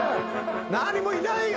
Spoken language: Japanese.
何もいないよ。